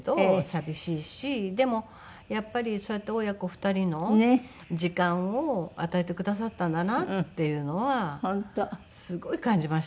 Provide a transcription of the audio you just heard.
でもやっぱりそうやって親子２人の時間を与えてくださったんだなっていうのはすごい感じましたね。